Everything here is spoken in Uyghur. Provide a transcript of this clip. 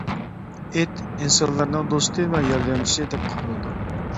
ئىت، ئىنسانلارنىڭ دوستى ۋە ياردەمچىسى، دەپ قارىلىدۇ.